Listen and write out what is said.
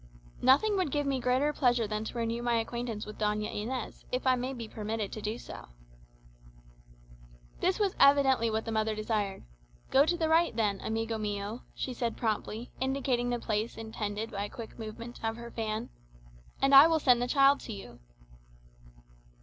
"Nothing would give me greater pleasure than to renew my acquaintance with Doña Inez, if I may be permitted so to do." This was evidently what the mother desired. "Go to the right then, amigo mio," she said promptly, indicating the place intended by a quick movement of her fan, "and I will send the child to you."